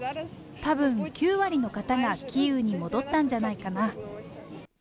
たぶん、９割の方がキーウに戻ったんじゃないかな。